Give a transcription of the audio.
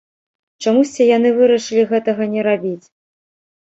Чамусьці яны вырашылі гэтага не рабіць.